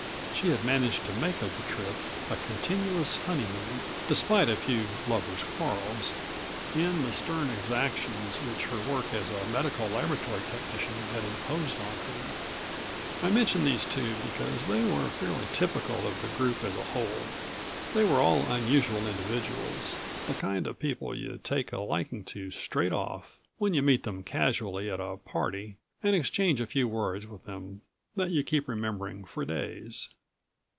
She had managed to make of the trip a continuous honeymoon, despite a few lovers' quarrels and the stern exactions which her work as a medical laboratory technician had imposed on her. I mention these two because they were fairly typical of the group as a whole. They were all unusual individuals, the kind of people you take a liking to straight off, when you meet them casually at a party and exchange a few words with them that you keep remembering for days.